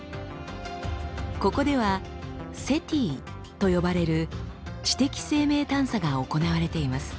ここでは「ＳＥＴＩ」と呼ばれる知的生命探査が行われています。